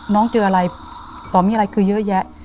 น้องเจออะไรต่อมีอะไรคือเยอะแยะ